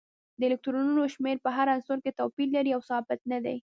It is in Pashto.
د الکترونونو شمیر په هر عنصر کې توپیر لري او ثابت نه دی